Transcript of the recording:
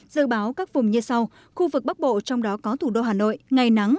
dự báo các vùng như sau khu vực bắc bộ trong đó có thủ đô hà nội ngày nắng